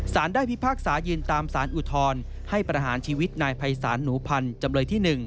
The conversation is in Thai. ได้พิพากษายืนตามสารอุทธรณ์ให้ประหารชีวิตนายภัยศาลหนูพันธ์จำเลยที่๑